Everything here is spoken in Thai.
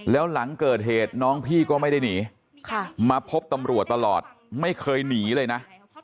แล้วหลังเกิดเหตุน้องพี่ก็ไม่ได้หนีมาพบตำรวจตลอดไม่เคยหนีเลยนะ